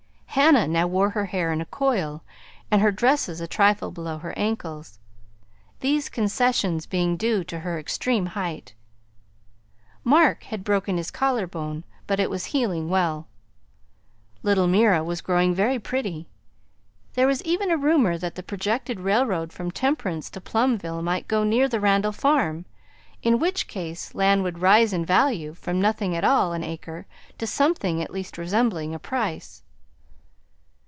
Hannah now wore her hair in a coil and her dresses a trifle below her ankles, these concessions being due to her extreme height. Mark had broken his collar bone, but it was healing well. Little Mira was growing very pretty. There was even a rumor that the projected railroad from Temperance to Plumville might go near the Randall farm, in which case land would rise in value from nothing at all an acre to something at least resembling a price.